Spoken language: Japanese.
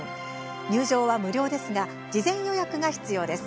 入場は無料ですが事前予約が必要です。